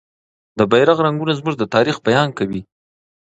د بیرغ رنګونه زموږ د تاریخ بیان کوي.